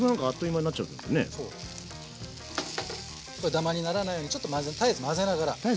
ダマにならないように絶えず混ぜながら。